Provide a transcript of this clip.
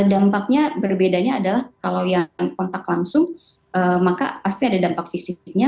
dampaknya berbedanya adalah kalau yang kontak langsung maka pasti ada dampak fisiknya